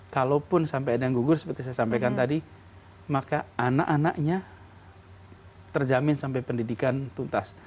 kalaupun sampai ada yang gugur seperti saya sampaikan tadi maka anak anaknya terjamin sampai pendidikan tuntas